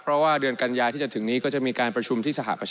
เพราะว่าเดือนกัญญาที่จะถึงนี้ก็จะมีการประชุมที่สหประชา